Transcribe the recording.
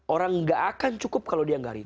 orang gak akan cukup kalau dia gak rindu